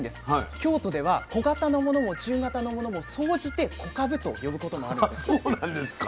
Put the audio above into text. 京都では小型のものも中型のものも総じてこかぶと呼ぶこともあるんです。